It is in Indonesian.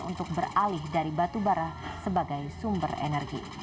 untuk beralih dari batubara sebagai sumber energi